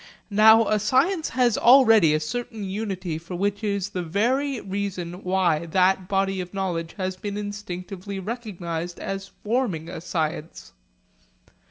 Now a science has already a certain unity which is the very reason why that body of knowledge has been instinctively recognised as forming a science.